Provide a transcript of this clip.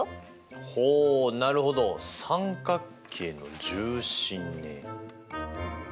ほうなるほど三角形の重心ね。